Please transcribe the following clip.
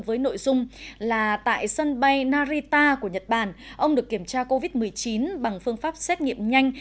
với nội dung là tại sân bay narita của nhật bản ông được kiểm tra covid một mươi chín bằng phương pháp xét nghiệm nhanh